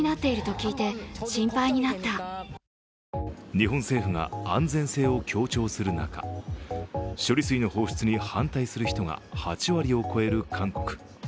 日本政府が安全性を強調する中処理水の放出に反対する人が８割を超える韓国。